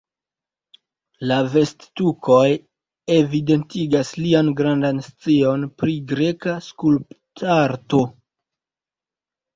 La vest-tukoj evidentigas lian grandan scion pri greka skulptarto.